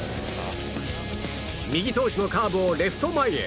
右投手のカーブをレフト前へ。